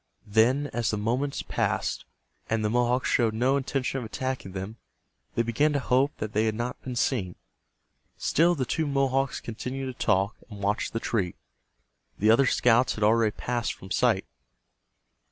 Then as the moments passed, and the Mohawks showed no intention of attacking them, they began to hope that they had not been seen. Still the two Mohawks continued to talk, and watch the tree. The other scouts had already passed from sight.